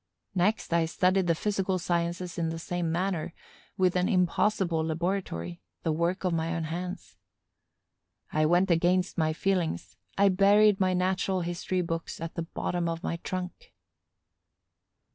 Next I studied the physical sciences in the same manner, with an impossible laboratory, the work of my own hands. I went against my feelings: I buried my natural history books at the bottom of my trunk.